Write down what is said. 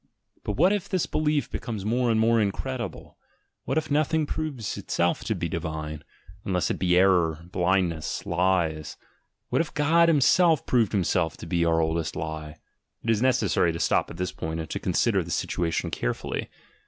... But what if this belief becomes more and more incredible, what if nothing proves itself to be divine, unless it be error, blindness, lies — what if God Himself proved Himself to be our oldest lie?" — It is necessary to stop at this point and to consider the situation carefully.